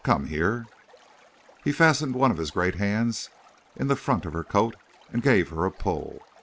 Come here." He fastened one of his great hands in the front of her coat and gave her a pull.